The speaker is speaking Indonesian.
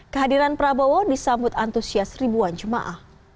kehadiran prabowo disambut antusias ribuan jemaah